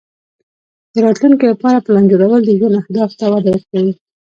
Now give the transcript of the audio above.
د راتلونکې لپاره پلان جوړول د ژوند اهدافو ته وده ورکوي.